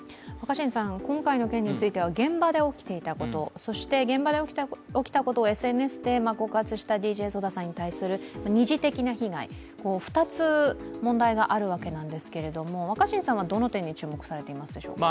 今回の件については現場で起きていたことそして現場で起きたことをＳＮＳで告発したＤＪＳＯＤＡさんに対する二次的な被害、２つ問題があるわけですが若新さんはどの点に注目されていますでしょうか？